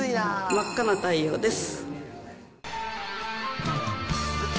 真赤な太陽です。